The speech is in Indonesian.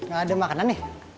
gak ada makanan nih